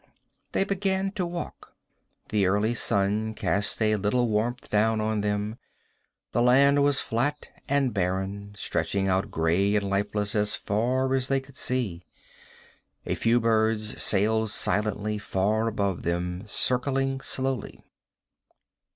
They began to walk. The early sun cast a little warmth down on them. The land was flat and barren, stretching out gray and lifeless as far as they could see. A few birds sailed silently, far above them, circling slowly.